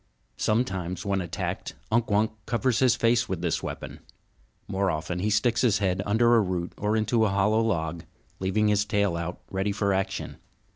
Sometimes, when attacked, Unk Wunk covers his face with this weapon. More often he sticks his head under a root or into a hollow log, leaving his tail out ready for action.